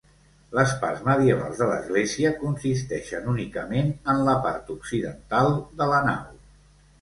Les parts medievals de l'església consisteixen únicament en la part occidental de la nau.